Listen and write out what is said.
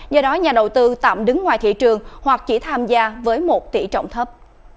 do đó nhà đầu tư tạm đứng ngoài thị trường hoặc chỉ tham gia với một tỷ trọng thấp